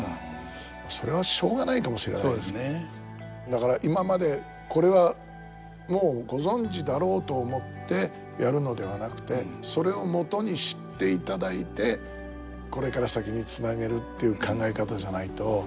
だから今まで「これはもうご存じだろう」と思ってやるのではなくてそれをもとにしていただいてこれから先につなげるっていう考え方じゃないと。